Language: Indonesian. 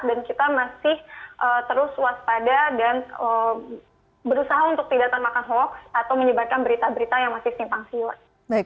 dan kita masih terus waspada dan berusaha untuk tidak termakan hoax atau menyebabkan berita berita yang masih simpang silat